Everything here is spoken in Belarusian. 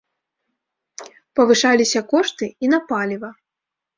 Павышаліся кошты і на паліва.